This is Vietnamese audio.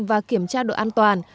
và kiểm tra độ an toàn